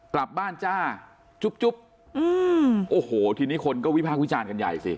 กลับบ้านจ้าจุ๊บจุ๊บอืมโอ้โหทีนี้คนก็วิพากษ์วิจารณ์กันใหญ่สิ